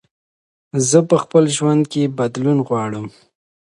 زه په خپل ژوند کې بدلون غواړم.